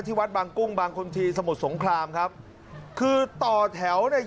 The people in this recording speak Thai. วัดบางกุ้งบางคนทีสมุทรสงครามครับคือต่อแถวเนี่ย